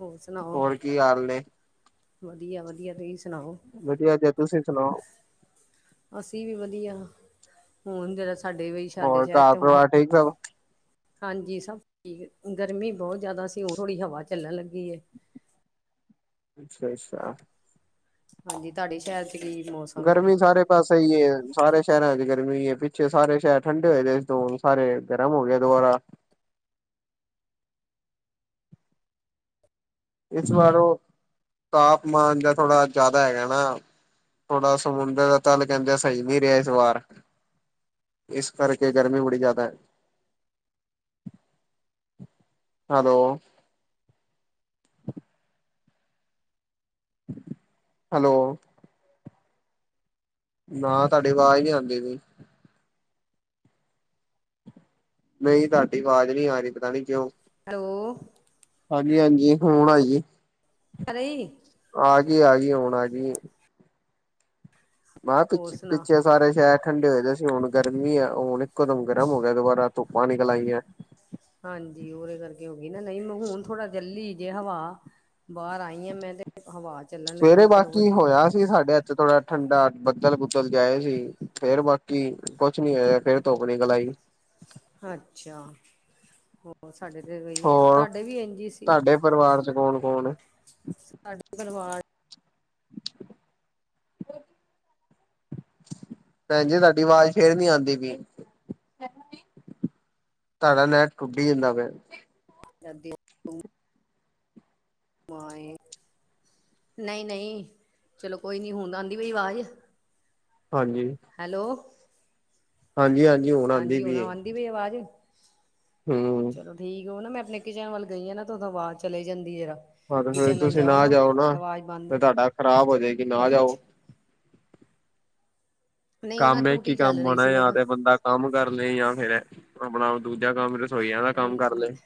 ਹੋਰ ਸੁਣਾਓ, ਹੋਰ ਕੀ ਹਾਲ ਨੇ ਵਧੀਆ -ਵਧੀਆ ਤੁਹੀਂ ਸੁਣਾਓ। ਵਦੀਆ ਜੇ ਤੁਸੀ ਸੁਣਾਓ। ਅਸੀਂ ਵੀ ਵਧੀਆ, ਹੁਣ ਜ਼ਰਾ ਸਾਡੇ ਵਈ ਸਾਡੇ ਹੋਰ ਸ਼ਹਿਰ ਤੇ [unintelligible] ਹਾਂਜੀ ਸਭ ਠੀਕ, ਗਰਮੀ ਬਹੁਤ ਜਿਆਦਾ ਸੀ। ਹੁਣ ਥੋੜੀ ਹਵਾਂ ਚੱਲਣ ਲੱਗੀ ਏ। ਅੱਛਾ- ਅੱਛਾ। ਹਾਂਜੀ ਤਾਡੇ ਸ਼ਹਿਰ ਚ [unintelligible] ਗਰਮੀ ਸਾਰੇ ਤਾਂ ਸਹੀ ਏਂ, ਸਾਰੇ ਸ਼ਹਿਰਾਂ ਚ ਗਰਮੀ ਪਿੱਛੇ ਸਾਰੇ ਸ਼ਹਿਰ ਠੰਡੇ ਹੋਏ ਦੋ ਸਾਰੇ। ਗਰਮ ਹੋ ਗਿਆ ਦੁਬਾਰਾ। ਇਸ ਵਾਰ ਓ ਤਾਪਮਾਨ ਜਾਂ ਥੋੜਾ ਜਾਦਾ ਹੈਗਾ ਨਾ। ਥੋੜਾ ਸਮੁੰਦਰ ਦਾ ਤੱਲ ਕਹਿੰਦੇ ਐ ਸਹੀ ਨੀ ਰਿਹਾ ਇਸ ਵਾਰ। ਇਸ ਕਰਕੇ ਗਰਮੀਂ ਬੜੀ ਜ਼ਿਆਦਾ ਐ। ਹੈਲੋ। [unintelligible] ਹੈਲੋ। ਨਾ ਤਾਡੀ ਆਵਾਜ਼ ਨੀ ਆਂਦੀ ਪਈ। ਨਹੀਂ ਤੁਹਾਡੀ ਆਵਾਜ਼ ਨਹੀਂ ਆ ਰਹੀ ਪਤਾ ਨਹੀਂ ਕਿਉਂ। ਹੈਲੋ। ਹਾਂਜੀ ਹਾਂਜੀ, ਹੁਣ ਆਈ। ਆ ਰਹੀ। ਆ ਗਈ ਆ ਗਈ ਹੁਣ ਆ ਗਈ। ਮੈਂ ਕਿਆ ਹੋਰ ਪਿੱ ਸੁਣਾ ਪਿੱਛੇ ਸਾਰੇ ਸ਼ਹਿਰ ਠੰਡੇ ਹੋਏ ਦੇ ਸੀ, ਹੁਣ ਗਰਮੀ ਆ ਹੁਣ ਇੱਕੋ ਦਮ ਗਰਮ ਹੋ ਗਿਆ ਦੁਬਾਰਾ ਧੁੱਪਾਂ ਨਿਕਲ ਆਈਆਂ। ਹਾਂਜੀ ਉਹਦੇ ਕਰਕੇ ਹੋ ਗਈ ਨਾ, ਨਹੀਂ ਮੈਂ ਹੁਣ ਥੋੜਾ ਚੱਲੀ ਜੇ ਹਵਾ ਬਾਹਰ ਆਈ ਆ ਮੈਂ ਤੇ ਹਵਾ ਚੱਲਣ ਸਵੇਰੇ ਲੱਗੀ ਚਲੋ ਬਾਕੀ ਵਧੀਆ। ਹੋਇਆ ਸਾਡੇ ਏਥੇ ਥੋੜਾ ਠੰਡਾ ਬੱਦਲ ਬੁਦਲ ਗਏ ਸੀ, ਫੇਰ ਬਾਕੀ ਕੁਛ ਨੀ ਹੋਇਆ ਫੇਰ ਧੁੱਪ ਨਿਕਲ ਆਈ। ਅੱਛਾ, ਹੋਰ ਸਾਡੇ ਤੇ ਸਾਡੇ ਵੀ ਐਂਝ ਸੀ। ਪਰਵਾਰ ਚ ਕੌਣ ਕੌਣ? ਸਾਡੇ ਪਰਿਵਾਰ ਚ ਭੈਣ ਜੀ, ਤੁਹਾਡੀ ਆਵਾਜ਼ ਫੇਰ ਨੀ ਆਂਦੀ ਪਈ।। ਤੁਹਾਡਾ ਨੈੱਟ ਟੁੱਟੀ ਜਾਂਦਾ ਪਿਆ। [unintelligible] [inaudible] ਨਹੀਂ ਨਹੀਂ ਚਲੋ ਕੋਈ ਨੀ ਹੁਣ ਆਂਦੀ ਪਈ ਆਵਾਜ਼। ਹਾਂਜੀ। ਹੈਲੋ। ਹਾਂਜੀ ਹਾਂਜੀ ਹੁਣ ਆਂਦੀ ਪਈ ਏ। ਕਿਵੇਂ ਆਵਾਜ਼? ਹੂੰ। ਚਲੋ ਠੀਕ ਓ ਨਾ ਮੈਂ ਅਪਨੀ ਕਿਚਨ ਵੱਲ ਗਈ ਆ ਨਾ ਤੇ ਉਦੋਂ ਆਵਾਜ਼ ਚਲੇ ਜਾਂਦੀ ਏ ਜ਼ਰਾ। ਹਾਂ ਤੇ ਫੇਰ ਕਿਚਨ ਵੱਲ ਤੁਸੀਂ ਜਾਓ ਨਾ ਤੇ ਆਵਾਜ਼ ਬੰਦ ਤੇ ਤੁਹਾਡਾ ਖ਼ਰਾਬ ਹੋ ਜਾਏਗੀ ਨਾ ਜਾਓ ਨਹੀਂ ਉਹ ਨਾ ਕੰਮ ਏ ਇੱਕ ਹੀ ਟੂਟੀ ਚੱਲ ਕੰਮ ਰਹੀ ਸੀ ਹੋਣਾ ਮੈਂ ਜਾਂ ਕਿਹਾ ਤੇ ਬੰਦਾ ਕੰਮ ਕਰ ਲਏ ਜਾਂ ਫੇਰ ਅਪਣਾ ਦੂਜਾ ਕੰਮ ਰਸੋਈਆਂ ਦਾ ਕੰਮ ਕਰ ਲਏ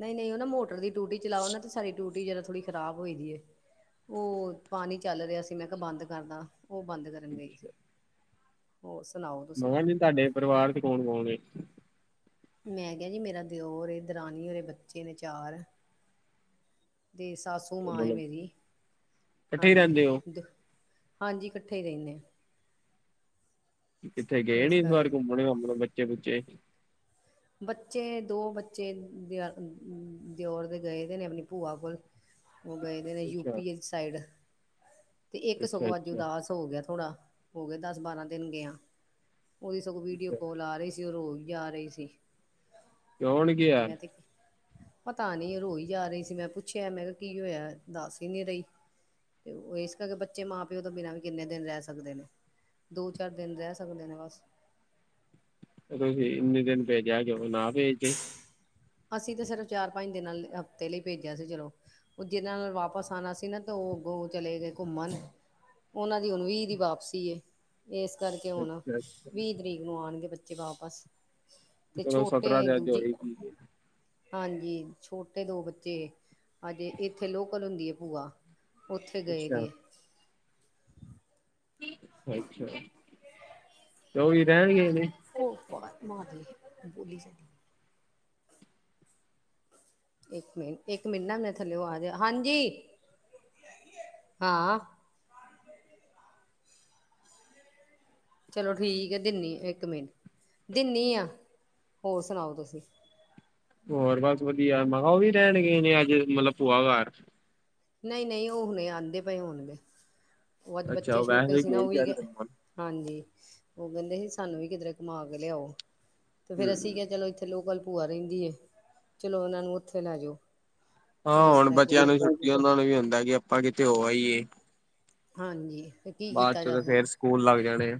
ਨਈ ਨਈ ਓ ਨਾ ਮੋਟਰ ਦੀ ਟੂਟੀ ਚਲਾਓ ਨਾ ਤੇ ਸਾਡੀ ਟੂਟੀ ਜ਼ਰਾ ਥੋੜੀ ਖਰਾਬ ਹੋਈ ਦੀ ਏ, ਓ ਪਾਣੀ ਚੱਲ ਰਿਹਾ ਸੀ ਮੈਂ ਕਿਆ ਬੰਦ ਕਰਦਾ। ਉਹ ਬੰਦ ਕਰਨ ਗਈ ਸੀ। ਹੋਰ ਸੁਣਾਓ? ਤੁਸੀਂ ਮੈਂ ਕਿਆ ਜੀ ਤੁਹਾਡੇ ਪਰਿਵਾਰ ਚ ਕੌਣ-ਕੌਣ ਏ? ਮੈਂ ਕਿਆ ਜੀ ਮੇਰਾ ਦਿਓਰ ਏ, ਦਰਾਨੀ ਏ, ਉਹਦੇ ਬੱਚੇ ਨੇ ਚਾਰ। ਤੇ ਸਾਸੂ ਮਾਂ ਮਤਲਬ ਏ ਮੇਰੀ, ਇਕੱਠੇ ਹੀ ਹਾਂਜੀ ਰਹਿੰਦੇ ਹੋ ਦ ਹਾਂਜੀ ਇਕੱਠੇ ਹੀ ਰਹਿਣੇ। ਕਿੱਥੇ ਗਏ ਨੀ ਇਸ ਵਾਰ ਘੁੰਮਣ-ਘਾਮਣ ਬੱਚੇ-ਬੁੱਚੇ। ਬੱਚੇ ਦੋ ਬੱਚੇ ਦਿੳ ਦਿਓਰ ਦੇ ਗਏ ਦੇ ਨੇ ਅਪਣੀ ਭੂਆ ਕੋਲ। ਉਹ ਗਏ ਦੇ ਨੇ ਅੱਛਾ ਯੂ-ਪੀ ਆਲੀ ਸਾਈਡ ਤੇ ਇੱਕ ਅੱਛਾ ਸਗੋਂ ਅੱਜ ਅੱਛਾ ਉਦਾਸ ਹੋ ਗਿਆ ਥੋੜਾ, ਹੋ ਗਏ ਦੱਸ ਬਾਰਾਂ ਦਿਨ ਗਿਆ, ਉਹਦੀ ਸਗੋਂ ਵੀਡੀਓ ਅੱਛਾ ਕੋਲ ਆ ਰਹੀ ਸੀ। ਤੇ ਓ ਰੋਈ ਜਾ ਰਹੀ ਸੀ। [unintelligible] ਮੈਂ ਤੇ ਪਤਾ ਨੀ ਰੋਈ ਜਾ ਰਹੀ ਸੀ, ਮੈਂ ਪੁੱਛਿਆ ਮੈਂ ਕਿਆ ਕੀ ਹੋਇਆ ਦੱਸ ਹੀ ਨੀ ਰਹੀ। ਤੇ ਓ ਇਸ ਕਰਕੇ ਬੱਚੇ ਮਾਂ ਪਿਓ ਤੋਂ ਬਿਨਾਂ ਵੀ ਕਿੰਨੇ ਦਿਨ ਰਹ ਸਕਦੇ ਨੇ। ਦੋ, ਚਾਰ ਦਿਨ ਰਹ ਸਕਦੇ ਨੇ ਬਸ। ਤੁਸੀਂ ਇੰਨੇ ਦਿਨ ਭੇਜਿਆ ਕਿਉ? ਨਾ ਭੇਜਦੇ। ਅਸੀਂ ਤਾਂ ਸਿਰਫ ਚਾਰ, ਪੰਜ ਦਿਨਾਂ ਹਫ਼ਤੇ ਲਈ ਭੇਜਿਆ ਸੀ, ਚਲੋ ਉਹ ਜਿਹਦੇ ਨਾਲ ਵਾਪਿਸ ਆਨਾ ਸੀ ਨਾ, ਤੇ ਔਹ ਅੱਗੋਂ ਚਲੇ ਗਏ ਘੁੰਮਣ। ਉਹਨਾਂ ਦੀ ਹੁਣ ਵੀਹ ਦੀ ਵਾਪਸੀ ਏ। ਇਸ ਕਰਕੇ ਹੁਣ ਅੱਛਾ ਅੱਛਾ ਵੀਹ ਤਰੀਕ ਨੂੰ ਆਉਣਗੇ ਬੱਚੇ ਵਾਪਸ। ਤੇ ਚਲੋ ਛੋਟੇ ਸਤਰਾਂ ਤੇ ਅੱਜ ਦੂਜੀ ਹੋਏਗੀ ਹਾਂਜੀ, ਛੋਟੇ ਦੋ ਬੱਚੇ ਅਜੇ ਏਥੇ ਲੋਕਲ ਹੁੰਦੀ ਏ ਭੂਆ। ਉੱਥੇ ਗਏ ਅੱਛਾ ਦੇ ਐ। [unintelligible] ਅੱਛਾ। ਉਹ ਵੀ ਰਹਿਣ ਗਏ ਨੇ ਔਹ ਵਾਜ ਮਾਰਦੀ ਬੋਲੀ ਜਾਂਦੀ ਇਕ ਮਿੰਟ, ਇੱਕ ਮਿੰਟ ਨਾ ਮੇੈਂ ਥੱਲੇਔ ਅਵਾਜ ਹਾਂਜੀ, ਹਾਂ। ਚਲੋ ਠੀਕ ਏ ਦਿੰਨੀ, ਇੱਕ ਮਿੰਟ ਦਿੰਨੀ ਆਂ। ਹੋਰ ਸੁਣਾਓ ਤੁਸੀ? ਹੋਰ ਬਸ ਵਧੀਆ। ਮੈਂ ਕਿਹਾ, ਔਹ ਵੀ ਰਹਿਣ ਗਏ ਨੇ ਅੱਜ ਮਤਲਬ ਭੂਆ ਘਰ। ਨਹੀ, ਨਹੀ ਔਹ ਹੁਣੇ ਆਂਦੇ ਪਏ ਹੋਣਗੇ, ਔਹ ਅੱਜ ਅੱਛਾ ਬੱਚੇ ਉਹ ਛੋਟੇ ਵੈਸੇ ਸੀ ਨਾ ਗਏ ਔਵੀ ਅੱਜ ਗ ਘੁੰਮਣ ਹਾਂਜੀ ਉਹ ਕਹਿੰਦੇ ਸੀ, ਸਾਨੂੰ ਵੀ ਕਿਧਰੇ ਘੁਮਾ ਕੇ ਲਿਆਓ ਤੇ ਫੇਰ ਹੂੰ ਅਸੀ ਕਿਹਾ ਚਲੋ ਲੋਕਲ ਭੂਆ ਰਹਿੰਦੀ ਹੈ, ਚਲੋ ਇਹਨਾ ਨੂੰ ਉੱਥੇ ਲੈ ਜਾਓ। ਤੇ ਹਾਂ ਇਸ ਹੁਣ ਕਰਕੇ ਬੱਚਿਆਂ ਫਿਰ ਨੂੰ ਵੀ ਛੁੱਟੀਆਂ, ਉਹਨਾਂ ਨੂੰ ਵੀ ਹੁੰਦਾ ਕਿ ਆਪਾਂ ਕਿਥੇ ਹੋ ਆਈਏ। ਹਾਂਜੀ ਫਿਰ ਕੀ ਬਾਅਦ ਕੀਤਾ ਚੋ ਜਾ ਤੇ ਫੇਰ ਸਕਦਾ ਸਕੂਲ ਲੱਗ ਜਾਣੇ ਏ।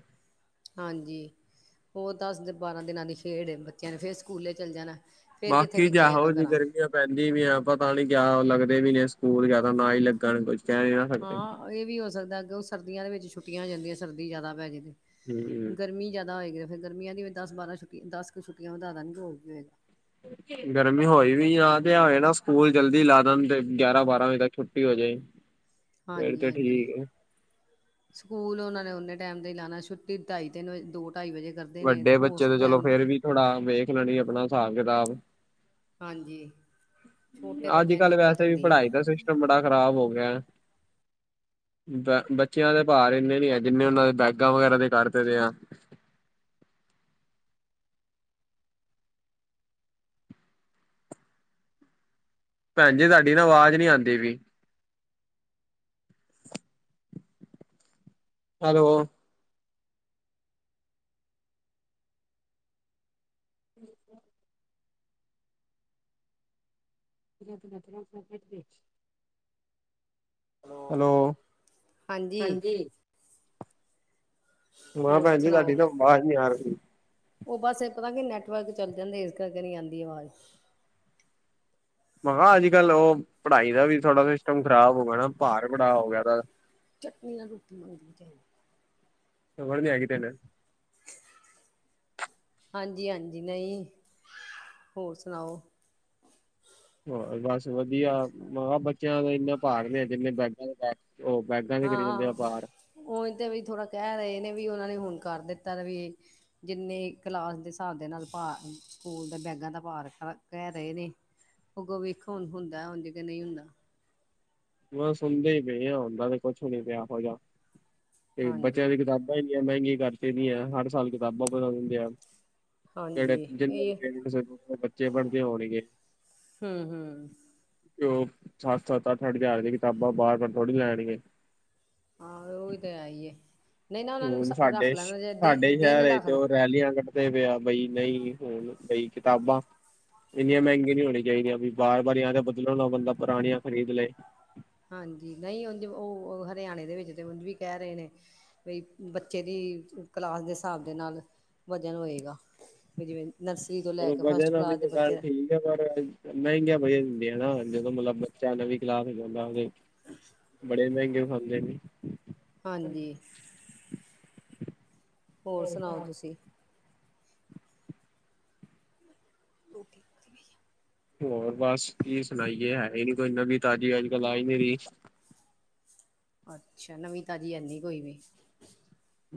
ਹਾਂਜੀ ਹੋਰ ਦਸ- ਬਾਰਾਂ ਦਿਨਾਂ ਦੀ ਖੇਡ ਏ, ਬੱਚਿਆਂ ਨੇ ਫੇਰ ਸਕੂਲੇ ਚੱਲ ਜਾਣਾ। ਫੇਰ ਕਿੱਥੇ ਬਾਕੀ ਜੇ ਨਿਕਲਿਆ ਆਹੋ ਜਾਣਾ ਜੀ ਘਰਾਂ ਚ ਗਰਮੀਆਂ ਭੈਣਜੀ ਵੀ ਆ ਪਤਾ ਨੀ ਕਿਆ ਲੱਗਦੇ ਵੀ ਨੇ ਸਕੂਲ ਜਾ ਤਾਂ ਨਾ ਹੀ ਲੱਗਣ ਕੁਝ ਕਹ ਨੀ ਨਾ ਸਕਦੇ। ਹਾਂ ਇਹ ਵੀ ਹੋ ਸਕਦਾ ਅੱਗੇ ਸਰਦੀਆਂ ਦੇ ਵਿੱਚ ਛੁੱਟੀਆਂ ਹੋ ਜਾਂਦੀਆਂ, ਸਰਦੀ ਜ਼ਿਆਦਾ ਪੈ ਜਾਂਦੀ ਹੂੰ ਗਰਮੀ ਜ਼ਿਆਦਾ ਹੋਏਗੀ, ਫੇਰ ਗਰਮੀਆਂ ਦੀ ਵੀ ਦਸ ਬਾਰਾਂ ਛੁੱਟੀ ਦਸ ਕੁ ਛੁਟੀਆਂ ਵਧਾ ਦੇਨਗੇ, ਹੋਰ ਕੀ ਹੋਏਗਾ। ਠੀਕ ਏ। ਗਰਮੀ ਹੋਈ ਵੀ ਆ ਤੇ, ਆ ਏ ਨਾ ਸਕੂਲ ਜਲਦੀ ਲਾ ਦੇਣ ਤੇ ਗਿਆਰਾਂ, ਬਾਰਾਂ ਵਜੇ ਤੱਕ ਛੁੱਟੀ ਹੋ ਜਾਏ। [inaudible] ਹਾਂਜੀ, ਹਾਂਜੀ। ਠੀਕ ਹੈ ਸਕੂਲ ਉਹਨਾ ਨੇ ਓਨੇ ਟਾਈਮ ਤੇ ਲਾਉਣਾ, ਛੁੱਟੀ ਢਾਈ ਤਿੰਨ ਦੋ ਢਾਈ ਵਜੇ ਕਰ ਵੱਡੇ ਬੱਚੇ ਤੇ ਚਲੋ ਫੇਰ ਵੀ ਥੋੜਾ ਵੇਖ ਲੈਣੀ ਆਪਣਾ ਹਿਸਾਬ ਕਿਤਾਬ। ਹਾਂਜੀ। ਛੋਟੇ ਅੱਜ ਬੱਚਿਆਂ ਦੀ ਕੱਲ੍ਹ ਦਿੱਕਤ ਵੈਸੇ ਵੀ ਹੁੰਦੀ ਹੈ ਪੜ੍ਹਾਈ ਦਾ ਨਾ ਸਿਸਟਮ ਬੜਾ ਖ਼ਰਾਬ ਹੋ ਗਿਆ ਹੈ। ਬ ਬੱਚਿਆਂ ਦੇ ਭਾਰ ਇੰਨੇ ਨੀ ਹੈ, ਜਿੰਨੇ ਉਹਨਾਂ ਦੇ ਬੈਗਾਂ ਵਗੈਰਾ ਦੇ ਕਰ ਦਿੱਦੇ ਆ। ਭੈਣ ਜੀ ਤੁਹਾਡੀ ਨਾ ਆਵਾਜ਼ ਨੀ ਆਉਂਦੀ ਪਾਈ। ਹੈਲੋ। [unintelligible] ਹੈਲੋ, ਹਾਂਜੀ। ਮੈ ਕਿਹਾ ਹੋਰ ਭੈਣ ਜੀ ਤੁਹਾਡੀ ਸੁਣਾਓ? ਤੋਂ ਅਵਾਜ ਨੀ ਆ ਰਹੀ ਸੀ? ਉਹ ਬਸ ਇਹ ਪਤਾ ਕੀ ਨੈਟਵਰਕ ਚੱਲ ਜਾਂਦੇ, ਇਸ ਕਰਕੇ ਨਹੀਂ ਆਉਂਦੀ ਆਵਾਜ਼। ਮੈਂ ਅਹਾ ਅੱਜ ਕੱਲ ਉਹ ਪੜ੍ਹਾਈ ਦਾ ਵੀ ਥੋੜ੍ਹਾ ਸਿਸਟਮ ਖ਼ਰਾਬ ਹੋ ਗਿਆ ਨਾ, ਭਾਰ ਬੜਾ ਹੋ ਗਿਆ। ਚਟਨੀ ਨਾਲ ਰੋਟੀ ਮੰਗਦੀ ਜੇ। ਇਹ ਫਰਜ ਹੇ ਸੀ ਤੁਹਾਡਾ। ਹਾਂਜੀ, ਹਾਂਜੀ ਨਹੀਂ, ਹੋਰ ਸੁਣਾਓ? ਹੋਰ ਬਸ ਵਧੀਆ, ਮੈਂ ਬੱਚਿਆਂ ਦਾ ਇੰਨਾ ਭਾਰ ਨੇ ਜਿੰਨੇ ਬੈਗਾ ਉਹ ਬੈਡ। ਹਾਂ ਹੁਨ ਤੇ ਵੀ ਥੋੜਾ ਕਹਿ ਰਹੇ ਨੇ ਵੀ ਉਹਨਾਂ ਨੇ ਹੁਣ ਕਰ ਦਿੱਤਾ ਵੀ। ਜਿੰਨੇ ਕਲਾਸ ਦੇ ਹਿਸਾਬ ਦੇ ਨਾਲ ਭਾਰ ਸਕੂਲ ਦੇ ਬੈਗਾਂ ਦਾ ਭਾਰ ਕਹਿ ਰਹੇ ਨੇ। ਅੱਗੋਂ ਵੇਖੋ ਹੁਣ ਹੁੰਦਾ ਉੰਝ ਕੇ ਨਹੀਂ ਹੁੰਦਾ। ਬਸ ਸੁਣਦੇ ਹੀ ਪਏ ਹ ਹੁੰਦਾ ਤੇ ਕੁਛ ਨੀ ਪਿਆ ਇਹੋ ਜਿਹਾ ਤੇ ਬੱਚਿਆਂ ਹਾਂਜੀ ਦੀ ਕਿਤਾਬ। ਏਨੀਆਂ ਮਹਿੰਗੀਆਂ ਕਰਤੀਆਂ ਹਰ ਸਾਲ ਕਿਤਾਬਾਂ ਬਦਲ ਦਿੰਦੇ ਆ। ਜਿਹੜੇ ਹਾਂਜੀ ਜਿੰਨਾਂ ਦੇ ਇਹ ਪੇਰੈਂਟਸ ਬੱਚੇ ਬਣਦੇ ਹੋਣਗੇ। ਹੂੰ ਹੂੰ ਤੇ ਉਹ ਸੱਤ-ਸੱਤ ਅੱਠ-ਅੱਠ ਹਜ਼ਾਰ ਦੀਆਂ ਕਿਤਾਬਾਂ ਬਾਰ ਬਾਰ ਥੋੜੀ ਲੈਣਗੇ। ਹਾਂ ਉਹੀ ਤਾਂ ਹੈ ਹੀਏ ਨਹੀਂ ਨਾ ਉਹਨਾਂ ਹੁਣ ਨੂੰ ਰੱਖ ਲੈਣਾ ਜੇ ਦਿ ਦਿਨ ਰੱਖ ਲੈਣਾ ਪਹਿਲੀਆਂ ਤੇ ਤੇ ਪਿਆ ਬਈ ਨਹੀਂ ਹੁਣ ਬਈ ਕਿਤਾਬਾਂ। ਇੰਨੀਆਂ ਮਹਿੰਗੀਆ ਨੀ ਹੋਣੀ ਚਾਹੀਦੀਆਂ ਵੀ ਬਾਰ ਵਾਰ ਆ ਤੇ ਬਦਲਣ ਬੰਦਾ ਪੁਰਾਣੀਆਂ ਖਰੀਦ ਲਏ। ਹਾਂਜੀ ਨਹੀਂ ਉਝ ਉਹ ਹਰਿਆਣੇ ਦੇ ਵਿੱਚ ਤਾਂ ਉਝ ਵੀ ਕਹਿ ਰਹੇ ਨੇ। ਬਈ ਬੱਚੇ ਦੀ ਕਲਾਸ ਦੇ ਹਿਸਾਬ ਦੇ ਨਾਲ ਵਜ਼ਨ ਹੋਏਗਾ। ਵੀ ਜਿਵੇਂ ਨਰਸਰੀ ਤੋਂ ਲੈ ਚਲੋ ਕੇ ਫਸਟ ਵਜਨ ਵਾਲੀ ਕਲਾਸ ਦੇ ਗੱਲ ਬੱਚੇ। ਠੀਕ ਤੇ ਪਰ ਮਹਿੰਗੀਆਂ ਬੜੀਆਂ ਹੁੰਦੀਆਂ ਨਾ ਜਦੋਂ ਮਤਲਬ ਬੱਚਾ ਨਵੀਂ ਕਲਾਸ ਹੋ ਜਾਂਦਾ। ਬੜੇ ਮਹਿੰਗੇ ਖਾਂਦੇ ਨੇ। ਹਾਂਜੀ। ਹੋਰ ਸੁਣਾਓ ਤੁਸੀਂ। ਰੋਟੀ ਪੱਕ ਗਈ ਆ ਹੋਰ ਬਸ ਕੀ ਸੁਣਾਈਏ ਹੈ ਹੀ ਨੀ ਕੋਈ ਨਵੀਂ ਤਾਜ਼ੀ ਅੱਜ ਕੱਲ ਆ ਈ ਨੀ ਰੀ। ਅੱਛਾ ਨਵੀਂ ਤਾਜ਼ੀ ਐਨੀ ਕੋਈ ਵੀ।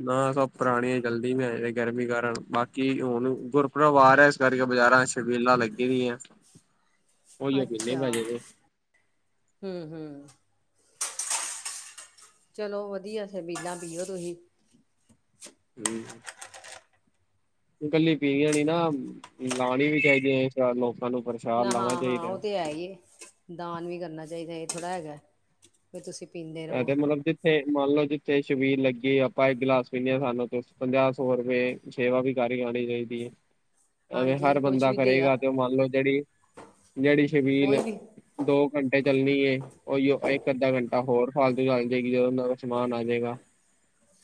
ਨਾ ਸਭ ਪੁਰਾਣੀਆਂ ਚਲਦੀ ਵੀ ਆ ਗਰਮੀ ਕਾਰਨ ਬਾਕੀ ਹੁਣ ਗ। ਪਰਵਾਰ ਹੈ। ਇਸ ਕਰਕੇ ਬਾਜ਼ਾਰਾਂ ਚ ਸ਼ਬੀਲਾਂ ਲੱਗੀ ਦੀਆਂ। ਉਹੀ ਪੀਨੇ ਅੱਛਾ ਪੈ ਜੇ ਤੇ ਹੂੰ ਹੂੰ ਚਲੋ ਵਧੀਆ ਛਬੀਲਾਂ ਪੀਓ ਤੁਹੀ ਹੂੰ ਇਕੱਲੀ ਪੀਣੀਆ ਨੀ ਨਾ ਪਿਲਾਣੀ ਵੀ ਚਾਹੀਦੀਆਂ ਚਾਰ ਲੋਕਾਂ ਨੂੰ ਪਰ। ਨਾ ਹਾਂ ਹਾਂ ਉਹ ਤੇ ਹੈ ਹੀ ਏ ਦਾਨ ਵੀ ਕਰਨਾ ਚਾਹੀਦਾ ਇਹ ਥੋੜ੍ਹਾ ਹੈਗਾ। ਵੀ ਤੁਸੀਂ ਪੀਂਦੇ। ਰਹੋ ਤੇ ਮਤਲਬ ਜ। ਥੇ ਮੰਨ ਲਓ ਜਿੱਥੇ ਸ਼ਬੀਲ ਲੱਗੀ ਆਪਾਂ ਇੱਕ ਗਿਲਾਸ ਪੀਂਦੇ ਹਾਂ ਸਾਨੂੰ ਪੰਜਾਹ ਸੌ ਰੁਪਏ। ਸੇਵਾ ਵੀ ਕਰ ਈ ਆਣੀ ਚਾਹੀਦੀ ਹੈ। ਐਵੇਂ ਹਾਂਜੀ ਹਰ ਕੁਛ ਬੰਦਾ ਵੀ ਦੇ ਆ ਕਰੇਗਾ ਤੇ ਉਹ ਮੰਨ ਲਓ ਜਿਹੜੀ ਜਿਹੜੀ ਕੋਈ ਛਬੀਲ ਵੀ ਦੋ ਘੰਟੇ ਚੱਲਣੀ ਏ, ਉਹੀਓ ਇੱਕ-ਅੱਧਾ ਘੰਟਾ ਹੋਰ ਫਾਲਤੂ ਚੱਲ ਜੇਗੀ ਜਦੋਂ ਉਹਨਾਂ ਦਾ ਸਮਾਨ ਆ ਜੇਗਾ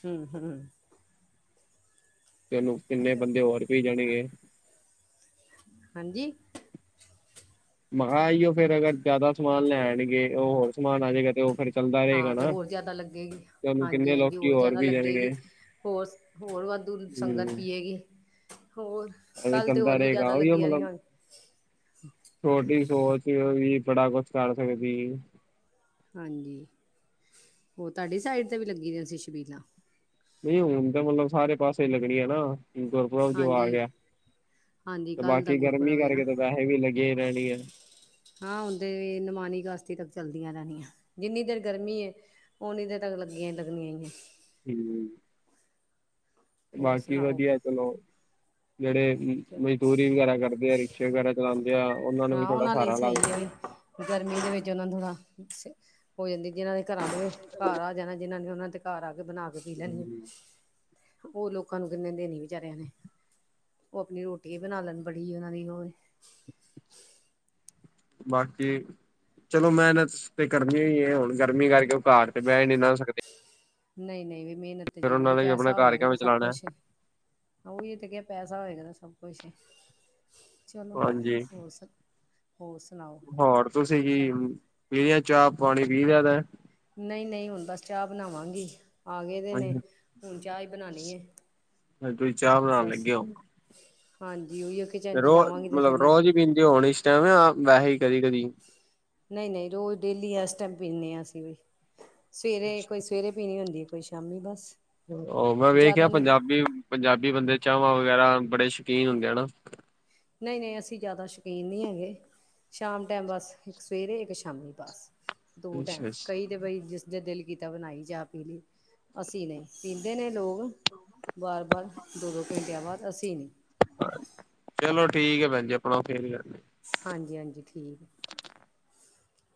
ਹੂੰ ਹੂੰ ਤੇ ਕਿੰਨੇ ਬੰਦੇ ਹੋਰ ਪੀ ਜਾਣਗੇ। ਹਾਂਜੀ। ਮੰਹਾ ਆਈ ਓ ਫੇਰ ਅਗਰ ਜ਼ਿਆਦਾ ਸਮਾਨ ਲੈ ਆਣਗੇ ਹੋਰ ਸਮਾਨ ਆ ਜੇਗਾ ਤੇ ਉਹ ਫਿਰ ਹਾਂ ਤੇ ਹੋਰ ਜ਼ਿਆਦਾ ਲੱਗੇਗੀ, ਉਹਨੂੰ ਹਾਂਜੀ ਕਿੰਨੇ ਹਾਂਜੀ ਲੋਕੀ ਹੋਰ ਜ਼ਿਆਦਾ ਪੀ ਲੱਗੇਗੀ। ਜਾਣਗੇ ਹੋਰ, ਹੋਰ ਵਾਧੂ ਸੰਗਤ ਹੂੰ। ਪੀਏਗੀ ਹੋਰ ਐਵੇਂ ਕੱਲ੍ਹ ਤੇ ਚੱਲਦਾ ਹੋਰ ਵੀ ਰਹੇਗਾ ਜ਼ਿਆਦਾ ਲੱਗੀਆਂ ਰਈਆਂ ਹੋਣੀਆਂ ਥੋਡੀ ਸੋਚ ਵੀ ਬੜਾ ਕੁਛ ਕਰ ਸਕਦੀ ਏ ਹਾਂਜੀ, ਹੋਰ ਤਾਡੀ ਸਾਈਡ 'ਤੇ ਵੀ ਲੱਗੀ ਦੀਆਂ ਸੀ ਛਬੀਲਾਂ ਨਈ ਹੁਣ ਤਾਂ ਮਤਲਬ ਸਾਰੇ ਪਾਸੇ ਲੱਗਣੀ ਆ ਨਾ, ਗੁਰਪੁਰਬ ਜੋ ਆ ਹਾਂਜੀ ਗੇਆ। ਹਾਂਜੀ ਤੇ ਕੱਲ੍ਹ ਦਾ ਬਾਕੀ ਗਰਮੀ ਗੁਰਪੁਰਬ ਹੈ ਨਾ ਕਰਕੇ ਤਾਂ ਵੈਹੇ ਵੀ ਲੱਗੀਆਂ ਈ ਰੇਣਦੀਆਂ ਨੇ। ਹਾਂ ਹੁਣ 'ਤੇ ਵੀ ਨਮਾਨੀ ਕਾਸਤੀ ਤੱਕ ਚਲਦੀਆਂ ਰੇਣਦੀਆਂ, ਜਿੰਨੀ ਦੇਰ ਗਰਮੀ ਏ। ਉਨੀ ਦੇਰ ਤੱਕ ਲੱਗੀਆਂ ਈ, ਲੱਗਣੀਆਂ ਨੇ। ਹੂੰ। ਹੋਰ ਬਾਕੀ ਸੁਣਾਓ ਵਧੀੱਆ ਚਲੋ, ਜੇੜੇ ਮਜ਼ਦੂਰੀ ਵਗੈਰਾ ਕਰਦੇ ਹੈਗੇ। ਰਿਕਸ਼ਾ ਵਗੈਰਾ ਚਲਾਂਦੇ ਆ, ਉਹਨਾਂ ਨੂੰ ਵੀ ਹਾਂ ਥੋੜਾ ਉਹਨਾਂ ਲਈ ਸ੍ਹਾਰਾ ਸਹੀ ਲੱਗਦਾ। ਹੈ ਵੀ ਗਰਮੀ ਦੇ ਵਿੱਚ ਓਨਾ ਦੀਆ, ਹੋ ਜਾਂਦੀ ਜਿਨਾਂ ਦੇ ਘਰਾਂ ਦੇ ਘਰ ਆ ਜਾਣਾ ਜਿਨਾਂ ਨੇ ਓਨਾਂ ਦੇ ਘਰ ਆ ਕੇ ਬਣਾ ਕੇ ਪੀ ਲੈਣੀ ਲੱਗਦਾ ਆ, ਓ ਲੋਕਾਂ ਨੂੰ ਕਿੰਨੇ ਦੇਣੀ ਵਿਚਾਰੇਆਂ ਨੇ ਓ ਆਪਣੀ ਰੋਟੀ ਈ ਬਣਾ ਲੈਣ ਬੜੀ ਉਹਨਾਂ ਦੀ ਉਹ ਐ। ਬਾਕੀ ਚਲੋ ਮੇਨਤ ਤੇ ਕਰਨੀ ਏ, ਗਰਮੀ ਕਰਕੇ ਓ ਘਰ ਤੇ ਬੈ ਨੀ ਨਾ ਸਕਦੇ। ਨਈ ਨਈ ਵੀ ਮੇਨਤ ਤੇ ਫਿਰ ਉਹਨਾਂ ਜ਼ਰੂਰੀ ਨੇ ਵੀ ਆਪਣਾ ਪੈਸਾ ਘਰ ਹੋਏਗਾ ਤੇ ਕਿਵੇਂ ਸਭ ਚਲਾਉਣਾ ਕੁਛ ਓਹੀ ਤੇ ਕੇਆ ਪੈਸਾ ਹੋਏਗਾ ਤੇ ਸਭ ਕੁਛ ਏ, ਚਲੋ ਹਾਂਜੀ ਹੋਰ ਸਭ? ਹੋਰ ਸੁਨਾਓ? ਹੋਰ ਤੁਸੀਂ ਕੀ, ਪੀ ਲਿਆ ਚਾਹ ਪਾਣੀ ਪੀ ਲਿਆ ਵੈ? ਨਈ-ਨਈ ਹੁਣ ਬਸ ਚਾਹ ਬਣਾਵਾਂਗੀ, ਆ ਗਏ ਦੇ ਨੇ ਹੁਣ ਚਾਹ ਹੀ ਬਨਾਨੀ ਏ। ਅੱਛਾ, ਤੁਸੀਂ ਚਾਹ ਬਣਾਨ ਲੱਗੇ ਓ? ਹਾਂਜੀ। ਕਿਚਨ ਚ ਰੋਜ, ਜਾਵਾਂਗੀ ਤੇ ਫਿਰ ਨਾ ਰੋਜ਼ ਪੀਂਦੇ ਹੋਣੇ ਇਸ ਟਾਈਮ ਨਾ ਵੈਹੇ ਈ ਕਦੀ-ਕਦੀ? ਨਈ-ਨਈ ਰੋਜ਼ ਡੇਲੀ ਐਸ ਟਾਈਮ ਪੀਨੇ ਆਂ ਅਸੀਂ ਵੀ, ਸਵੇਰੇ ਇੱਕ ਵਾਰੀ ਸਵੇਰੇ ਪੀਣੀ ਹੁੰਦੀ ਕੋਈ ਸ਼ਾ ਸ਼ਾਮੀ ਬਸ। ਉਹ ਮੈਂ ਵੇਖਿਆ ਜ਼ਿਆਦਾ ਨਹੀਂ ਪੰਜਾਬੀ- ਪੰਜਾਬੀ ਬੰਦੇ ਚਾਂਵਾਂ ਵਗੈਰਾ ਬੜੇ ਸ਼ੌਕੀਨ ਹੁੰਦੇ ਆ ਹਨਾ? ਨਈ- ਨਈ, ਅਸੀਂ ਜ਼ਾਦਾ ਸ਼ਕੀਨ ਨਈ ਹੈਗੇ। ਸ਼ਾਮ ਟੈਮ ਬਸ ਇੱਕ ਸਵੇਰੇ ਇੱਕ ਸ਼ਾਮੀ ਬਸ ਦੋ ਟੈਮ ਅੱਛਾ ਕਈ ਅੱਛਾ ਤੇ ਬਈ ਜਿਸ ਜੇ ਦਿਲ ਕੀਤਾ ਬਣਾਈ ਚਾ ਪੀ ਲਈ, ਅਸੀਂ ਨਈ, ਪੀਂਦੇ ਨੇ ਲੋਕ ਵਾਰ-ਵਾਰ ਦੋ-ਦੋ ਘੰਟੇਆਂ ਬਾਅਦ ਅਸੀਂ ਨਈ। ਅ, ਚਲੋ ਠੀਕ ਐ ਭੈਣ ਜੀ ਆਪਣਾ ਫੇਰ ਮਿਲਾਂਗੇ। ਹਾਂਜੀ-ਹਾਂਜੀ ਠੀਕ ਐ।